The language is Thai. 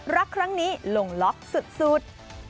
รักครั้งนี้ลงล็อกสุด